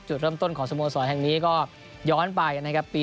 จุดเริ่มต้นของสโมสรแห่งนี้ก็ย้อนไปนะครับ